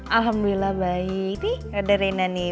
alhamdulillah baik nih ada reina nih